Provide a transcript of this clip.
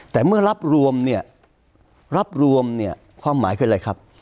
แต่เมื่อรับรวมเนี่ยรับรวมเนี่ยความหมายคืออะไรครับ